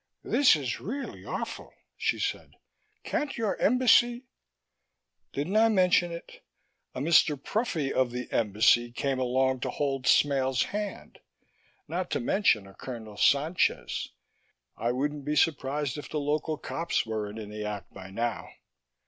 "This is really awful," she said. "Can't your embassy " "Didn't I mention it? A Mr. Pruffy, of the Embassy, came along to hold Smale's hand ... not to mention a Colonel Sanchez. I wouldn't be surprised if the local cops weren't in the act by now